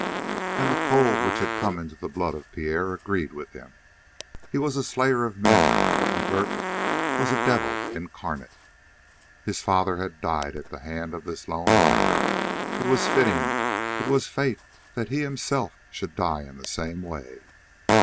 And the cold which had come in the blood of Pierre agreed with him. He was a slayer of men, but McGurk was a devil incarnate. His father had died at the hand of this lone rider; it was fitting, it was fate that he himself should die in the same way.